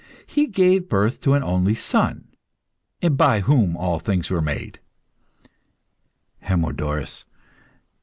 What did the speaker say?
He gave birth to an only Son, by whom all things were made. HERMODORUS.